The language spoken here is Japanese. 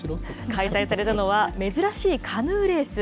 開催されたのは、珍しいカヌーレース。